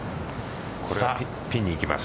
これピンにいきます。